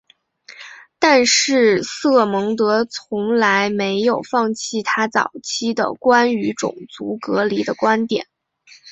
但是瑟蒙德从来没有放弃他早期的关于种族隔离的观点。